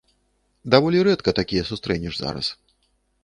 Даволі рэдка такія сустрэнеш зараз.